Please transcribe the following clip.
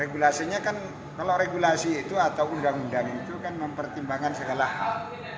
regulasinya kan kalau regulasi itu atau undang undang itu kan mempertimbangkan segala hal